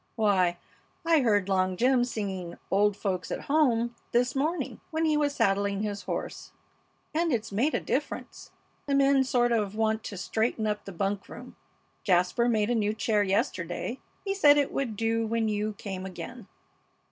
Why, I heard Long Jim singing 'Old Folks at Home' this morning when he was saddling his horse. And it's made a difference. The men sort of want to straighten up the bunk room. Jasper made a new chair yesterday. He said it would do when you came again."